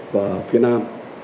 và phía nam